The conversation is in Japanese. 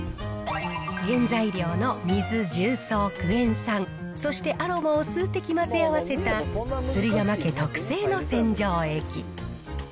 原材料の水、重層、クエン酸、そしてアロマを数滴混ぜ合わせた鶴山家特製の洗浄液。